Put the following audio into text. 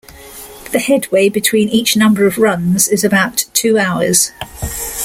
The headway between each number of runs is about two hours.